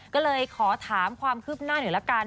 ก็เลยขอถามความคืบหน้าหน่อยละกัน